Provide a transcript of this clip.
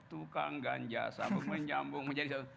tukang ganja sambung menyambung menjadi satu